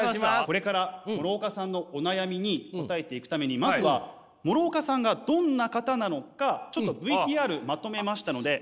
これから諸岡さんのお悩みに答えていくためにまずは諸岡さんがどんな方なのかちょっとＶＴＲまとめましたので。